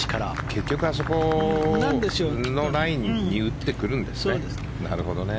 結局あそこのラインに打ってくるんですねなるほどね。